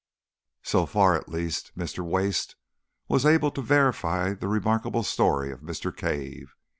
So far, at least, Mr. Wace was able to verify the remarkable story of Mr. Cave.